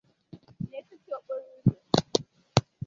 n’etiti okporo ụzọ.